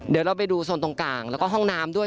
เดี๋ยวเราไปดูโซนตรงกลางแล้วก็ห้องน้ำด้วย